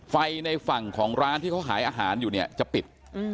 ไฟในฝั่งของร้านที่เขาขายอาหารอยู่เนี่ยจะปิด